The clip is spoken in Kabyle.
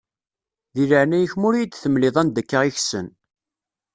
Di leɛnaya-k, ma ur iyi-d-temliḍ anda akka i kessen.